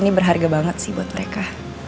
ini berharga banget sih buat mereka